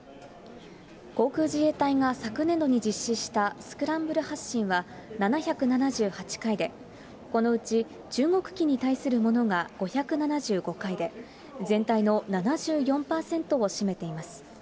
航空自衛隊が昨年度に実施したスクランブル発進は、７７８回で、このうち中国機に対するものが５７５回で、全体の７４％を占めています。